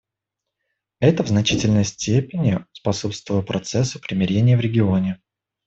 Это в значительной степени способствовало процессу примирения в регионе.